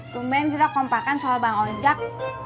tumben kita kompakan soal bang ojak